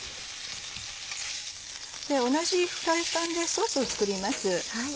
同じフライパンでソースを作ります。